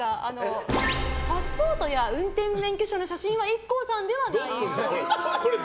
パスポートや運転免許証の写真はＩＫＫＯさんではないっぽい。